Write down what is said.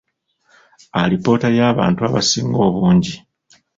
Alipoota y’abantu abasinga obungi.